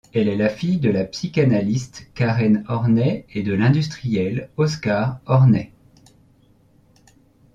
Elle est la fille de la psychanalyste Karen Horney et de l'industriel Oscar Horney.